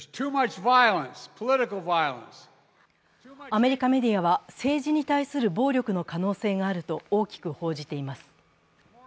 アメリカメディアは、政治に対する暴力の可能性があると大きく報じています。